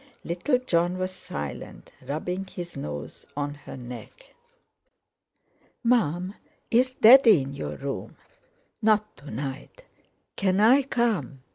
Little Jon was silent, rubbing his nose on her neck. "Mum, is Daddy in your room?" "Not to night." "Can I come?"